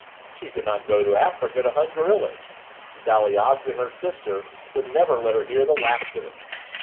She could not go to Africa to hunt gorillas; Sally Ogden, her sister, would never let her hear the last of it.